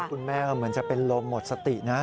คุณแม่ก็เหมือนจะเป็นลมหมดสตินะ